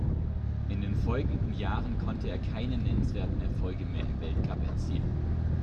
In den folgenden Jahren konnte er keine nennenswerten Erfolge mehr im Weltcup erzielen.